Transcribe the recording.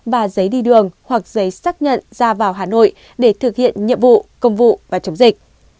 và giấy đi đường hoặc giấy xác nhận ra vào hà nội để thực hiện nhiệm vụ công vụ và chống dịch